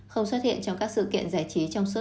không xuất hiện trong các sự kiện giải trí trong suốt